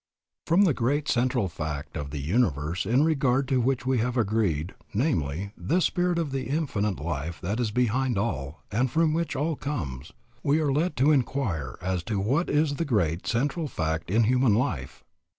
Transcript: From the great central fact of the universe in regard to which we have agreed, namely, this Spirit of Infinite Life that is behind all and from which all comes, we are led to inquire as to what is the great central fact in human life.